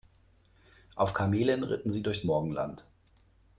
Auf Kamelen ritten sie durchs Morgenland.